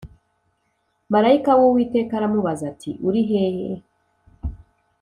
Marayika w Uwiteka aramubaza ati uri hehe